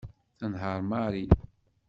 Tenheṛ Mary.